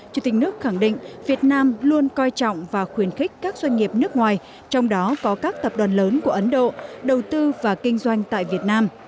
chủ tịch nước khẳng định việt nam luôn coi trọng và khuyến khích các doanh nghiệp nước ngoài trong đó có các tập đoàn lớn của ấn độ đầu tư và kinh doanh tại việt nam